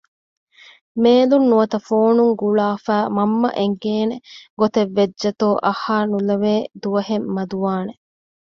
މޭލުން ނުވަތަ ފޯނުން ގުޅާފައި މަންމަ އެނގޭނެ ގޮތެއް ވެއްޖެތޯ އަހައިނުލެވޭ ދުވަހެއް މަދުވާނެ